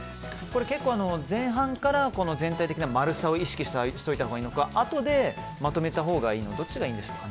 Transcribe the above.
結構、前半から全体的な丸さを意識しておいたほうがいいのかあとでまとめたほうがいいのかどっちがいいでしょうか。